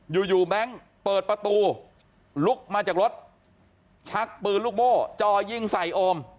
อยู่อยู่แบงค์เปิดประตูลุกมาจากรถชักปืนลูกโม่จ่อยิงใส่โอม